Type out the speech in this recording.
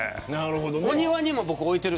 お庭にも置いてる。